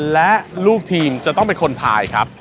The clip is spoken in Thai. และลูกทีมจะต้องเป็นคนทายครับ